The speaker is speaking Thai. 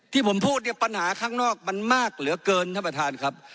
ที่ผมพูดเนี่ยปัญหาข้างนอกมันมากเหลือเกินท่านประธานครับ